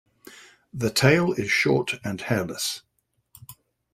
The tail is short and hairless.